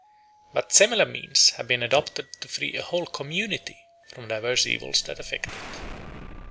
But similar means have been adopted to free a whole community from diverse evils that afflict it.